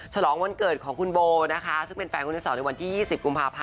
ฉลองวันเกิดของคุณโบซึ่งเป็นแฟนคุณสองในวันที่๒๐กพ